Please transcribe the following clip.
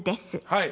はい。